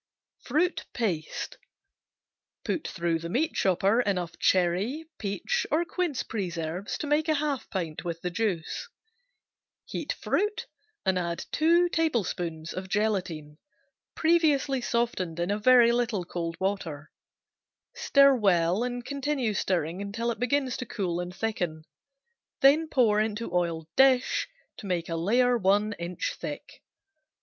Fruit Paste Put through the meat chopper enough cherry, peach, or quince preserves to make a half pint with the juice. Heat fruit and add two tablespoons of gelatine, previously softened in a very little cold water. Stir well, and continue stirring until it begins to cool and thicken, then pour into oiled dish to make a layer one inch thick.